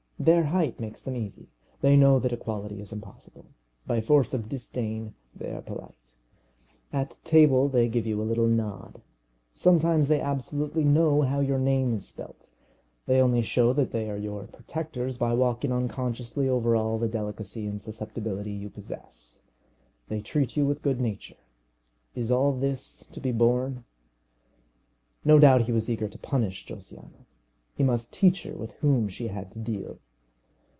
Their height makes them easy. They know that equality is impossible. By force of disdain they are polite. At table they give you a little nod. Sometimes they absolutely know how your name is spelt! They only show that they are your protectors by walking unconsciously over all the delicacy and susceptibility you possess. They treat you with good nature. Is all this to be borne? No doubt he was eager to punish Josiana. He must teach her with whom she had to deal!